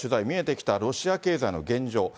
見えてきたロシア経済の現状。